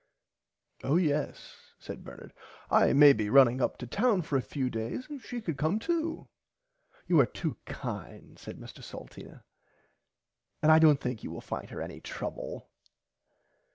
Oh yes said Bernard I may be running up to town for a few days and she could come too. You are too kind said Mr Salteena and I dont think you will find her any trouble.